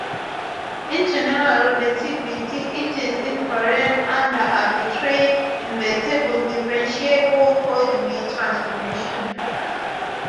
In general relativity it is invariant under arbitrary invertible differentiable coordinate transformations.